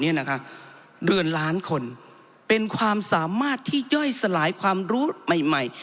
เดือนล้านคนเป็นความสามารถที่ย่อยสลายความรู้ใหม่ใหม่